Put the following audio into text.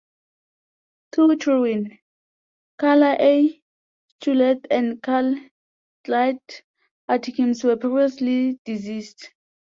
Two children, Carla A. Schulte and Carl Clyde Atkins were previously deceased.